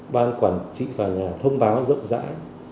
ban quản trị tòa nhà thông báo rộng rãi